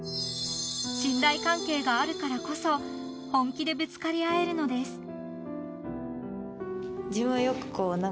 ［信頼関係があるからこそ本気でぶつかり合えるのです］